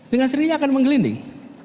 dengan sendirinya akan menggelinding